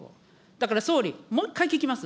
だから総理、もう一回聞きます。